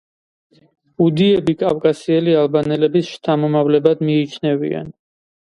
უდიები კავკასიელი ალბანელების შთამომავლებად მიიჩნევიან.